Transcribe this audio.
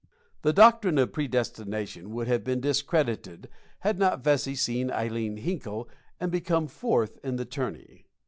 The doctrine of predestination would have been discredited had not Vesey seen Ileen Hinkle and become fourth in the tourney.